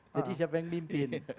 jadi siapa yang mimpin